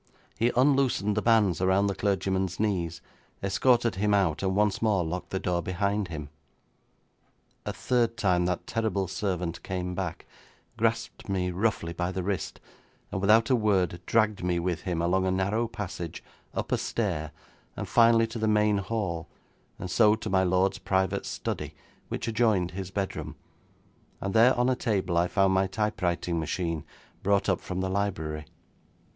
He unloosened the bands around the clergyman's knees, escorted him out, and once more locked the door behind him. A third time that terrible servant came back, grasped me roughly by the wrist, and without a word dragged me with him, along a narrow passage, up a stair, and finally to the main hall, and so to my lord's private study, which adjoined his bedroom, and there on a table I found my typewriting machine brought up from the library.